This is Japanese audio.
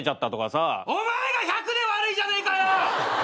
お前が１００で悪いじゃねえかよ！